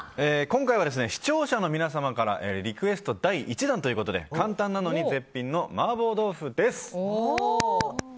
今回は視聴者の皆さんからリクエスト第１弾ということで簡単なのに絶品の麻婆豆腐です。